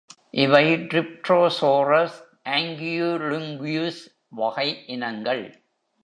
இவை "Dryptosaurus aquilunguis" வகை இனங்கள்.